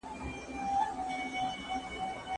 سترګو ژړلي دي ژړلي دي سلګۍ نه لري